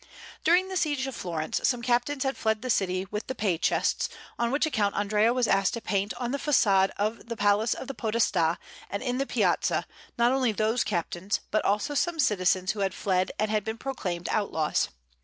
During the siege of Florence some captains had fled the city with the pay chests; on which account Andrea was asked to paint on the façade of the Palace of the Podestà and in the Piazza not only those captains, but also some citizens who had fled and had been proclaimed outlaws.